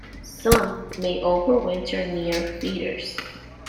Some may over-winter near feeders.